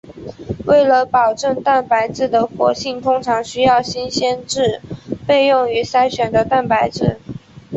为了保证蛋白质的活性通常需要新鲜制备用于筛选的蛋白质。